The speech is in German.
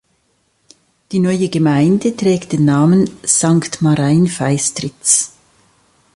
Die neue Gemeinde trägt den Namen „Sankt Marein-Feistritz“.